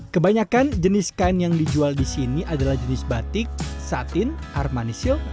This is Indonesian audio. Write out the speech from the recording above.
kebanyakan jenis kain yang dijual di sini adalah jenis batik satin armanisil